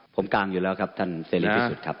ผมกางอยู่แล้วครับท่านเสรีพิสุทธิ์ครับ